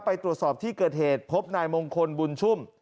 ไปตรวจสอบที่เกิดเหตุพบนายมงคลบุญชุ่ม